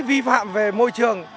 vi phạm về môi trường